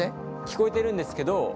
聞こえてるんですけど。